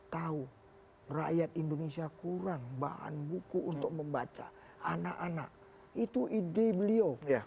tahu rakyat indonesia kurang bahan buku untuk membaca anak anak itu ide beliau